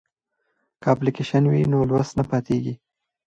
که اپلیکیشن وي نو لوست نه پاتیږي.